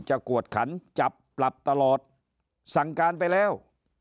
กวดขันจับปรับตลอดสั่งการไปแล้ว